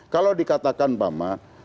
kalau dikatakan bama